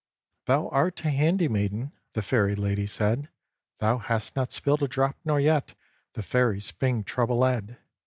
"Thou art a handy maiden," The Fairy lady said; "Thou hast not spilt a drop, nor yet The Fairy Spring troublèd.